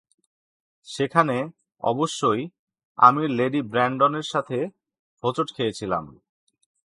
সেখানে, অবশ্যই, আমি লেডি ব্র্যানডনের সাথে হোঁচট খেয়েছিলাম।